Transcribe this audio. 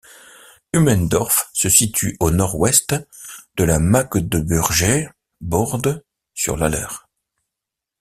Ummendorf se situe au nord-ouest de la Magdeburger Börde, sur l'Aller.